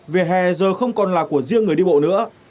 về hè giờ không còn là của riêng người đi bộ nữa